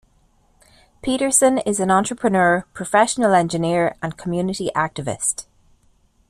Peterson is an entrepreneur, professional engineer and community activist.